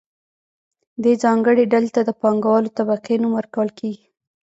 دې ځانګړې ډلې ته د پانګوالې طبقې نوم ورکول کیږي.